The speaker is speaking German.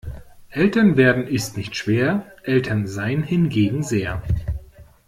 Eltern werden ist nicht schwer, Eltern sein hingegen sehr.